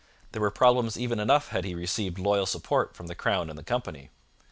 There were problems enough even had he received loyal support from the crown and the company.